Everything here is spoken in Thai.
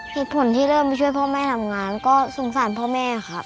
เหตุผลที่เริ่มช่วยพ่อแม่ทำงานก็สงสารพ่อแม่ครับ